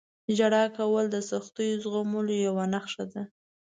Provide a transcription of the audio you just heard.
• ژړا کول د سختیو زغملو یوه نښه ده.